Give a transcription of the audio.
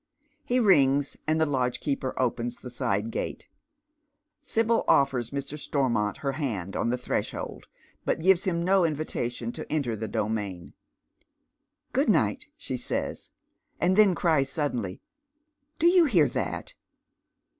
He rings, and the lodgekeepcr opens the side gate. Sibyl offers Mr. Stormont her hand on the threshold, but gives him no invitation to enter the domain. " Good nigiit," she says, and then cries suddenly, " Do you hear that